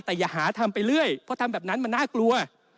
แต่อย่าหาทำไปเรื่อยเพราะทำแบบนั้นมันน่ากลัว